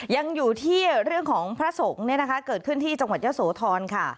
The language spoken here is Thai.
ยังอยู่ที่เรื่องของพระสงฆ์เกิดขึ้นที่จังหวัดเยอะโสธรค่ะ